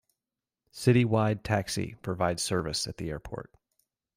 City Wide Taxi provides service at the airport.